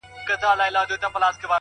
• چي خبر سو جادوګرښارته راغلی,